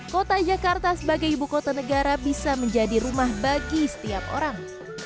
kota jakarta sebagai ibu kota negara bisa menjadi rumah bagi setiap orang